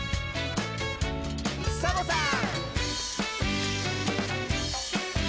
サボさん！